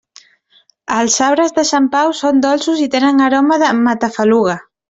Els sabres de Sant Pau són dolços i tenen aroma de matafaluga.